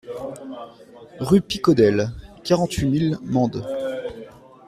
Rue Picaucel, quarante-huit mille Mende